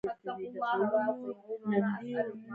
نسبي غربت ثابت پاتې کیږي.